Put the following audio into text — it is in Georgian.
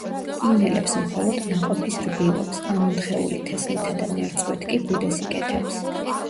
ინელებს მხოლოდ ნაყოფის რბილობს, ამონთხეული თესლითა და ნერწყვით კი ბუდეს იკეთებს.